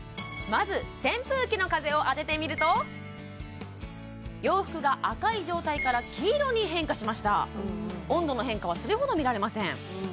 まず扇風機の風を当ててみると洋服が赤い状態から黄色に変化しました温度の変化はそれほど見られません